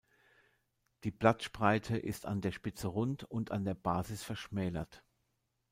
Die Blattspreite ist an der Spitze rund und an der Basis verschmälert.